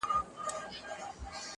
موږ پخپله یو له حل څخه بېزاره-